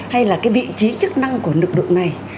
hay là cái vị trí chức năng của lực lượng này